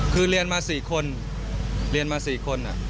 คือเรียนมา๔คน